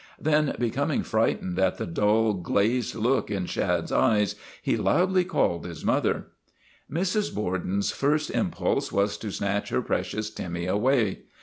Then, becoming frightened at the dull, glazed look in Shad's eyes, he loudly called his mother. Mrs. Borden's first impulse was to snatch her precious Timmy away.